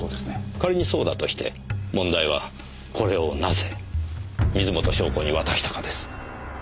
仮にそうだとして問題はこれをなぜ水元湘子に渡したかです。